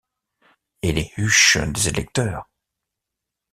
Et les huches des électeurs!